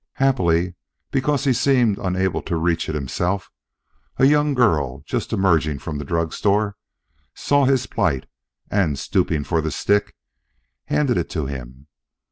Happily because he seemed unable to reach it himself a young girl just emerging from the drug store saw his plight and stooping for the stick, handed it to him.